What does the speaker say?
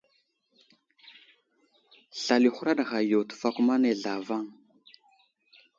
Slal i huraɗ ghay yo tefakuma nay zlavaŋ.